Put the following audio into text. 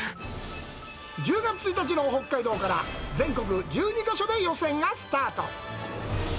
１０月１日の北海道から全国１２か所で予選がスタート。